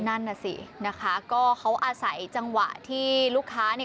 นั่นน่ะสินะคะก็เขาอาศัยจังหวะที่ลูกค้าเนี่ย